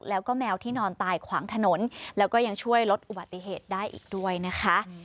แล้วก็แมวที่นอนตายขวางถนนแล้วก็ยังช่วยลดอุบัติเหตุได้อีกด้วยนะคะ